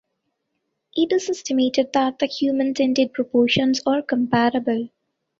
It is estimated that the human dentate proportions are comparable.